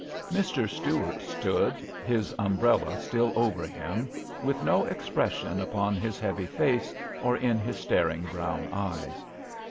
Mr. Stuart stood, his umbrella still over him, with no expression upon his heavy face or in his staring brown eyes.